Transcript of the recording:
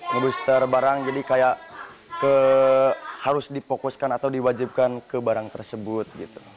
nge booster barang jadi kayak harus dipokuskan atau diwajibkan ke barang tersebut gitu